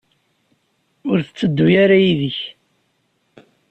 Ur tetteddu ara yid-k?